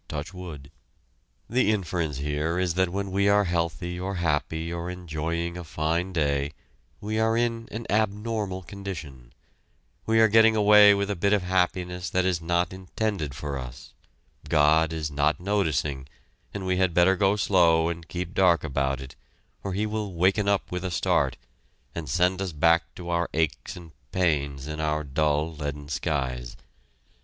Touch wood!" The inference here is that when we are healthy or happy or enjoying a fine day, we are in an abnormal condition. We are getting away with a bit of happiness that is not intended for us. God is not noticing, and we had better go slow and keep dark about it, or He will waken up with a start, and send us back to our aches and pains and our dull leaden skies!